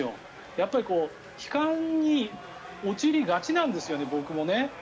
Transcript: やっぱり、悲観に陥りがちなんですよね、僕も。